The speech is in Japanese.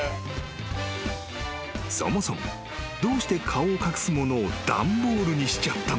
［そもそもどうして顔を隠すものを段ボールにしちゃったのか？］